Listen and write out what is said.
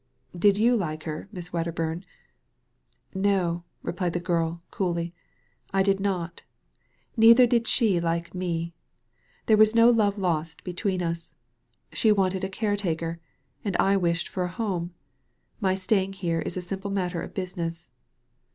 " Did you like her, Miss Wedderbum ?" '*Nol" replied the girl, coolly, "I did not; neither did she like me. There was no love lost between us. She wanted a caretaker, and I wished for a home. My staying here is a simple matter of business."